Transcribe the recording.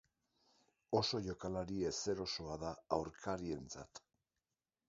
Oso jokalari ezerosoa da aurkarientzat.